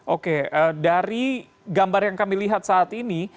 oke dari gambar yang kami lihat saat ini